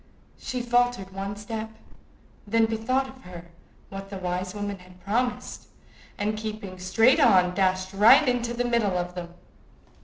She faltered one step, then bethought her of what the wise woman had promised, and keeping straight on, dashed right into the middle of them.